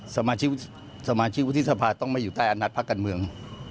สมาชิกวัฒนภาคต้องมาอยู่ใต้อันนัดพระกันเมือง